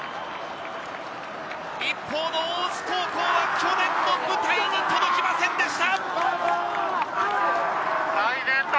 一方の大津高校は、去年の舞台に届きませんでした。